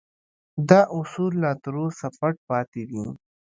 دا اصول لا تر اوسه پټ پاتې دي